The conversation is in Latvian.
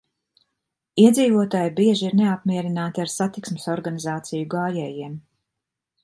Iedzīvotāji bieži ir neapmierināti ar satiksmes organizāciju gājējiem.